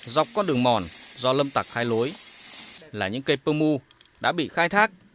dọc con đường mòn do lâm tặc khai lối là những cây pơ mu đã bị khai thác